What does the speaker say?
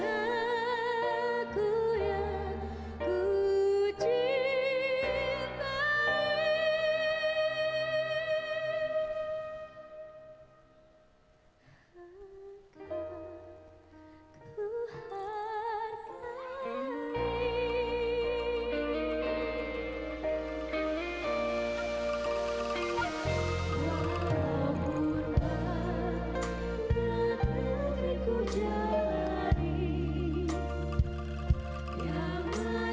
kepada kesehatan masyarakat juga dapat memiliki peran penting dalam memanfaatkan